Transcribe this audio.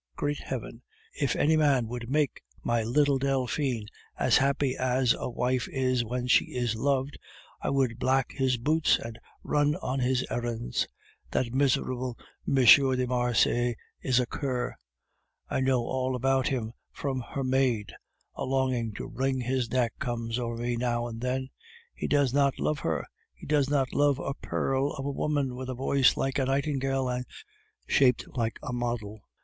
Great Heaven! If any man would make my little Delphine as happy as a wife is when she is loved, I would black his boots and run on his errands. That miserable M. de Marsay is a cur; I know all about him from her maid. A longing to wring his neck comes over me now and then. He does not love her! does not love a pearl of a woman, with a voice like a nightingale and shaped like a model.